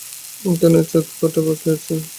এখনো ছটা পদ বাকি আছে।